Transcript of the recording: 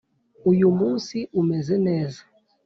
uyu munsi umeze neza?